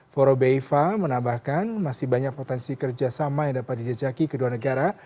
fora bifa menambahkan masih banyak potensi kerjasama yang dapat dicecaki kedua negara